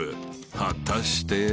［果たして］